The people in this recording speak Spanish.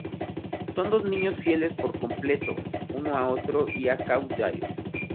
Son dos niños fieles por completo uno a otro y a Kaw-Dyer.